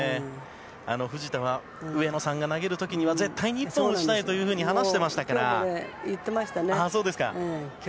藤田は上野さんが投げる時には絶対に１本打ちたいと話していましたから。